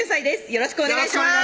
よろしくお願いします